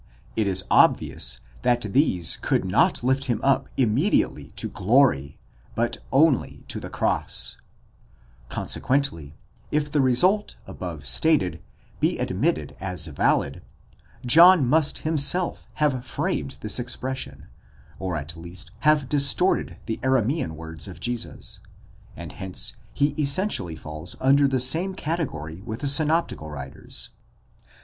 it is obvious that these could not lift him up immediately to glory, but only to the cross; consequently, if the result above stated be admitted as: valid, John must himself have framed this expression, or at least have distorted the Aramzan words of Jesus, and hence he essentially falls under the same category with the synoptical writers.